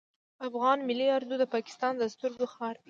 افغان ملی اردو د پاکستان د سترګو خار ده